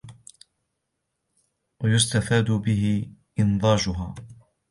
وَيُسْتَفَادُ بِهِ إنْضَاجُهَا